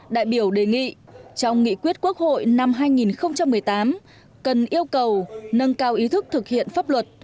đại biểu đề nghị trong nghị quyết quốc hội năm hai nghìn một mươi tám cần yêu cầu nâng cao ý thức thực hiện pháp luật